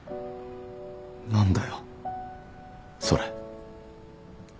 何だよそれ。